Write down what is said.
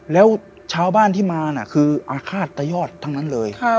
แล้วชาวบ้านที่มาน่ะคืออาฆาตตะยอดทั้งนั้นเลย